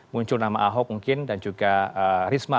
muncul nama ahok mungkin dan juga risma